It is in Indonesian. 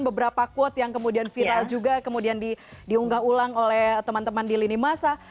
beberapa quote yang kemudian viral juga kemudian diunggah ulang oleh teman teman di lini masa